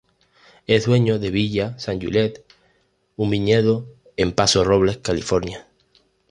Es dueño de "Villa San Juliette", un viñedo en Paso Robles, California.